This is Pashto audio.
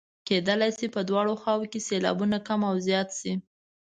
کیدلای شي په دواړو خواوو کې سېلابونه کم او زیات شي.